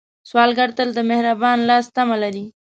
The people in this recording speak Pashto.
سوالګر تل د مهربان لاس تمه لري